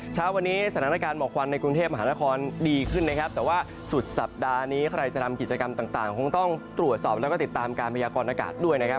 เช้าวันนี้สถานการณ์หมอกควันในกรุงเทพมหานครดีขึ้นนะครับแต่ว่าสุดสัปดาห์นี้ใครจะทำกิจกรรมต่างคงต้องตรวจสอบแล้วก็ติดตามการพยากรณากาศด้วยนะครับ